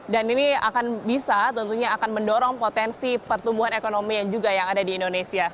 dan ini akan bisa tentunya akan mendorong potensi pertumbuhan ekonomi yang juga yang ada di indonesia